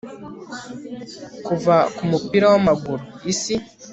kuva kumupira wamaguru. isi